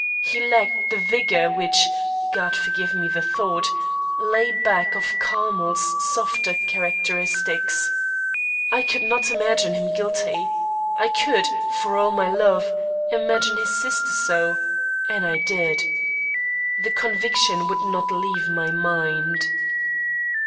He lacked the vigour which, God forgive me the thought! lay back of Carmers softer characteristics. I could not imagine him guilty; I could, for all my love, imagine his sister so, and did. The conviction would not leave my mind.